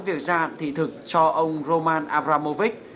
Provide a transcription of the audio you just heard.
việc dàn thị thực cho ông roman abramovich